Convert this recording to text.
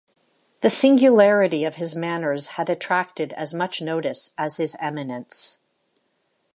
The singularity of his manners had attracted as much notice as his eminence.